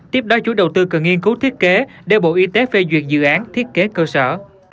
tiếp đó chú đầu tư cần nghiên cứu thiết kế để bộ y tế phê duyệt dự án thiết kế cơ sở